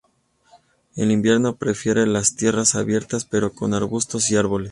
En invierno, prefiere las tierras abiertas, pero con arbustos y árboles.